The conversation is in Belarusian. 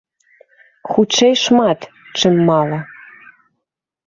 Хутчэй шмат, чым мала.